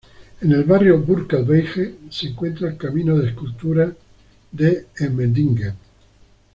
En el barrio Bürkle-Bleiche se encuentra el camino de esculturas de Emmendingen.